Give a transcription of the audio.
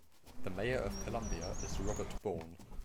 The mayor of Columbia is Robert Bourne.